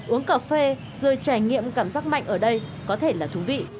uống cà phê rồi trải nghiệm cảm giác mạnh ở đây có thể là thú vị